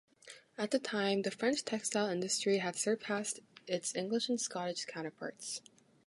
At the time, the French textile industry had surpassed its English and Scottish counterparts.